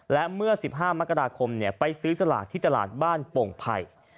และเมื่อ๑๕มกราคมไปซื้อสลากที่ตลาดบ้านโป่งไผ่